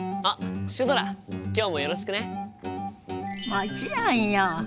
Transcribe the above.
もちろんよ！